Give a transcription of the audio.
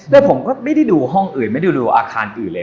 แล้วผมก็ไม่ได้ดูห้องอื่นไม่ได้ดูอาคารอื่นเลย